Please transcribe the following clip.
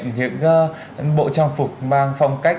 những bộ trang phục mang phong cách